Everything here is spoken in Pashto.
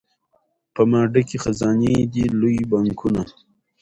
په ما ډکي خزانې دي لوی بانکونه